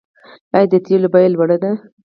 آیا د تیلو بیه لوړه ده؟